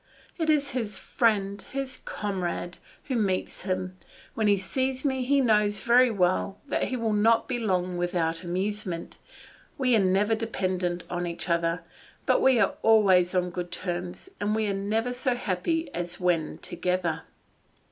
It is his friend, his comrade, who meets him; when he sees me he knows very well that he will not be long without amusement; we are never dependent on each other, but we are always on good terms, and we are never so happy as when together.